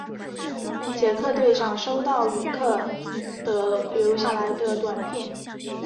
杰克队长收到鲁克的留下来的短片。